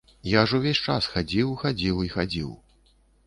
Я ж увесь час хадзіў, хадзіў і хадзіў.